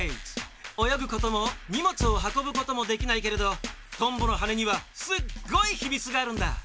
およぐこともにもつをはこぶこともできないけれどとんぼのはねにはすっごいひみつがあるんだ。